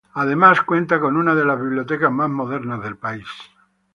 Por otro lado, cuenta con una de las bibliotecas más modernas del país.